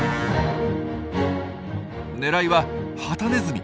狙いはハタネズミ。